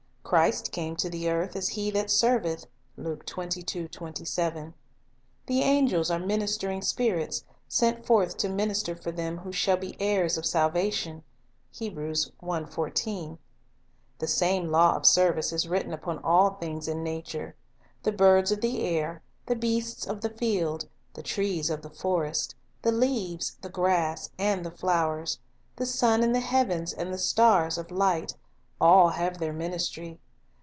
Christ came to the earth "as he that serveth." ! The angels are "ministering spirits, sent forth to minister for them who shall be heirs of salvation." The same law of service is written upon all things in nature. The birds of the air, the beasts of the field, the trees of the forest, the leaves, the grass, and the flowers, the sun in the heavens and the stars of light, — all have their ministry.